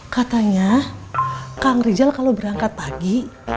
katanya kang rizal kalau berangkat pagi